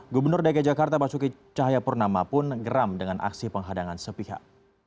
gubernur dki jakarta basuki cahayapurnama pun geram dengan aksi penghadangan sepihak